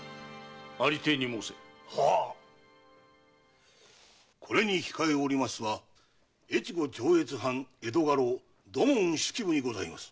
ありていに申せ。ははっこれに控えおりますのは越後上越藩江戸家老土門式部にございます。